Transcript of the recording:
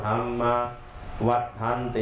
ยามแมวทางใจ